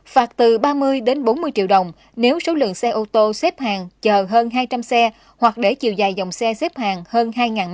phạt tiền từ ba mươi bốn mươi triệu đồng nếu lượng ô tô xếp hàng chờ trước trạm thu phí hơn hai trăm linh xe hoặc để chiều dài dòng xe xếp hàng hơn hai m